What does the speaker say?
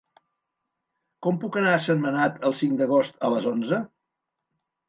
Com puc anar a Sentmenat el cinc d'agost a les onze?